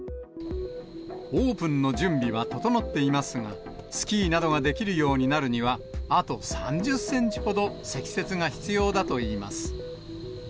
オープンの準備は整っていますが、スキーなどができるようになるには、あと３０センチほど積雪が必要だといいます。